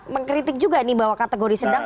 mengkritik juga nih bahwa kategori sedang